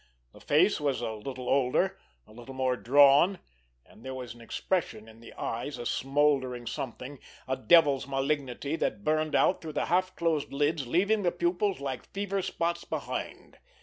The face was a little older, a little more drawn, and there was an expression in the eyes, a smoldering something, a devil's malignity that burned out through the half closed lids, leaving the pupils like fever spots behind.